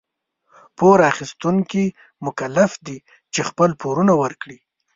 پور اخيستونکي مکلف دي چي خپل پورونه ورکړي.